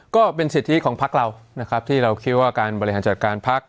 ก็เป็นสิทธิของภักดิ์เราที่เราคิดว่าการบริหารจัดการภักดิ์